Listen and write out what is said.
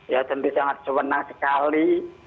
ya tentu sangat senang sekali